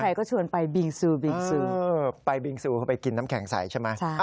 ใครก็ชวนไปบิงซูบิงซูไปบิงซูเขาไปกินน้ำแข็งใสใช่ไหม